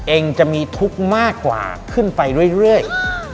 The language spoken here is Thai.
เองจะมีทุกข์มากกว่าขึ้นไปเรื่อย